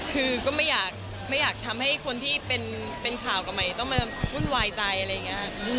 คือก็ไม่อยากทำให้คนที่เป็นข่าวกับใหม่ต้องมาวุ่นวายใจอะไรอย่างนี้